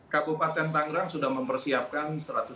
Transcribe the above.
kabupaten tangerang sudah mempersiapkan